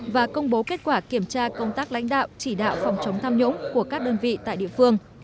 và công bố kết quả kiểm tra công tác lãnh đạo chỉ đạo phòng chống tham nhũng của các đơn vị tại địa phương